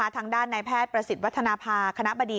ทางด้านนายแพทย์ประสิทธิ์วัฒนภาคณะบดี